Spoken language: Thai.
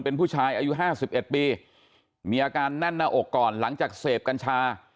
เป็นผู้ชายอายุ๕๑ปีมีอาการแน่นหน้าอกก่อนหลังจากเสพกัญชา